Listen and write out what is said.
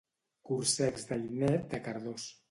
Corsecs d'Ainet de Cardós.